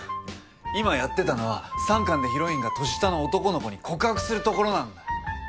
今やってたのは３巻でヒロインが年下の男の子に告白するところなんだ。